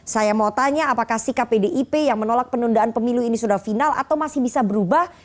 saya mau tanya apakah sikap pdip yang menolak penundaan pemilu ini sudah final atau masih bisa berubah